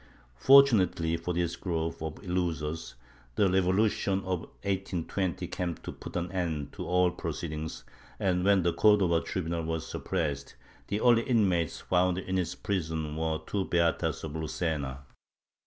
Fortunately for this group of ilusos, the revolution of 1820 came to put an end to all proceedings, and when the Cordova tribunal was suppressed, the only inmates found in its prison were the two beatas of Lucena.